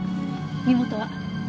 身元は？